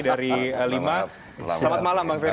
dari lima selamat malam bang ferry